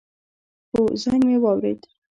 هو، زنګ می واورېد